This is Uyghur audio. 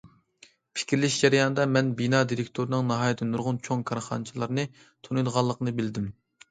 پىكىرلىشىش جەريانىدا مەن بىنا دىرېكتورىنىڭ ناھايىتى نۇرغۇن چوڭ كارخانىچىلارنى تونۇيدىغانلىقىنى بىلدىم.